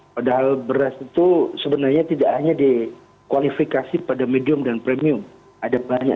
padahal beras itu sebenarnya tidak hanya dikualifikasi pada medium dan premium ada banyak